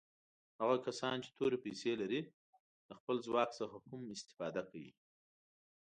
هغه کسان چې تورې پیسي لري د خپل ځواک څخه هم استفاده کوي.